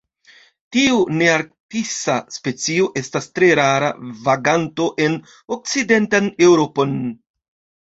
Tiu nearktisa specio estas tre rara vaganto en okcidentan Eŭropon.